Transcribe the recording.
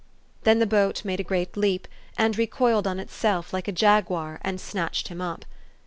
" Then the boat made a great leap, and recoiled on itself, like a jaguar, and snatched him up.